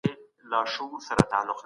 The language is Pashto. کليسا فکر تنظيم کاوه.